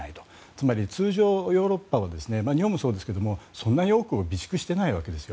つまり、通常ヨーロッパは日本もそうですが、そんなに多く備蓄してないわけです。